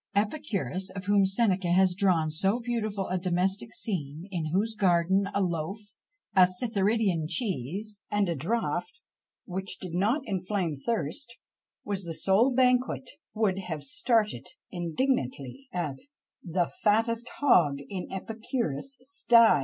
Epicurus, of whom Seneca has drawn so beautiful a domestic scene, in whose garden a loaf, a Cytheridean cheese, and a draught which did not inflame thirst, was the sole banquet, would have started indignantly at The fattest hog in Epicurus' sty!